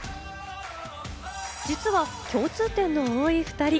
実は共通点の多い２人。